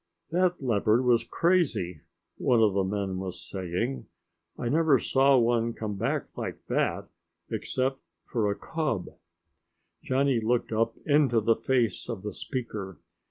"That leopard was crazy," one of the men was saying. "I never saw one come back like that, except for a cub!" Johnny looked up into the face of the speaker.